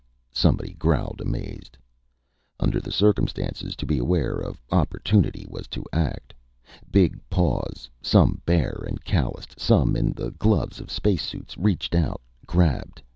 _" somebody growled, amazed. Under the circumstances, to be aware of opportunity was to act. Big paws, some bare and calloused, some in the gloves of space suits, reached out, grabbed.